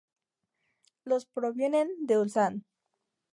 Los provienen de Ulsan.